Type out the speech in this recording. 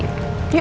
kami permisi yuk